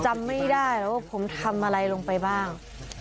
จำไม่ได้แล้วว่าผมทำอะไรลงไปบ้าง